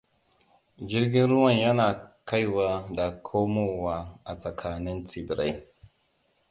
Jirgin ruwan yana kaiwa da komowa a tsakanin tsibiran.